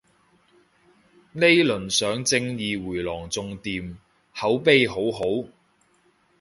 呢輪上正義迴廊仲掂，口碑好好